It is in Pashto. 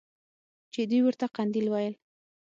چې دوى ورته قنديل ويل.